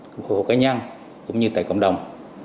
phục vụ cá nhân cũng như tại cộng đồng